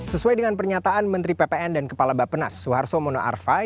sesuai dengan pernyataan menteri ppn dan kepala bapak penas soeharto mono arvai